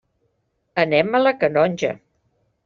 Anem a la Canonja.